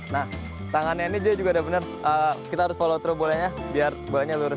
nah tangannya ini juga udah bener kita harus follow throw bolanya biar bolanya lurus